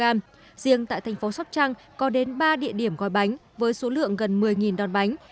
riêng tại thành phố sóc trăng có đến ba địa điểm gói bánh với số lượng gần một mươi đòn bánh